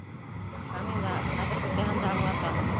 Камила, хәҙер бөтәһен дә аңлатам.